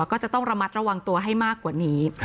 ก็จะต้องระมัดระวังตัวให้มากกว่านี้